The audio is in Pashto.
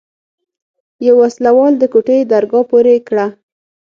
يوه وسله وال د کوټې درګاه پورې کړه.